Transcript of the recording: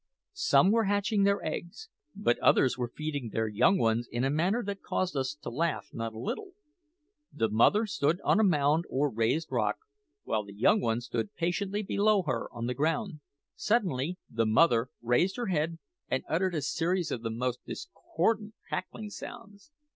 Some were hatching their eggs, but others were feeding their young ones in a manner that caused us to laugh not a little. The mother stood on a mound or raised rock, while the young one stood patiently below her on the ground. Suddenly the mother raised her head and uttered a series of the most discordant cackling sounds.